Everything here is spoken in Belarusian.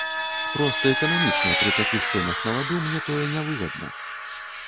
Проста эканамічна, пры такіх цэнах на ваду мне тое нявыгадна.